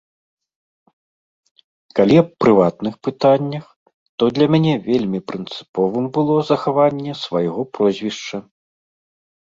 Калі аб прыватных пытаннях, то для мяне вельмі прынцыповым было захаванне свайго прозвішча.